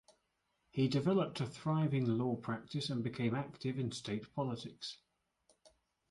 He developed a thriving law practice and became active in state politics.